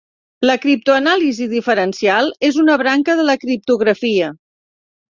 La criptoanàlisi diferencial és una branca de la criptografia.